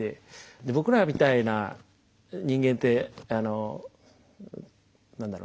で僕らみたいな人間ってあの何だろう。